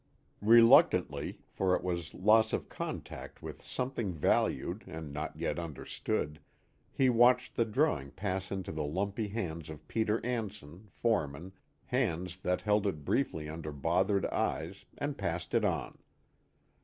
Reluctantly, for it was loss of contact with something valued and not yet understood, he watched the drawing pass into the lumpy hands of Peter Anson, foreman, hands that held it briefly under bothered eyes and passed it on.